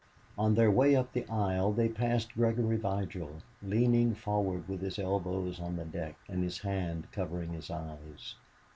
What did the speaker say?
On their way up the aisle they passed Gregory Vigil leaning forward with his elbows on the desk and his hand covering his eyes....